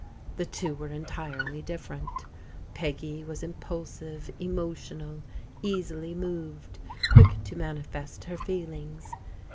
The two were entirely different. Peggy was impulsive, emotional, easily moved, quick to manifest her feelings.